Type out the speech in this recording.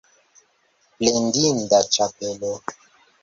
Plendinda ĉapelo!